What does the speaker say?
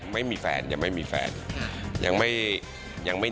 ไม่มีแฟนยังไม่มีแฟนยังไม่มี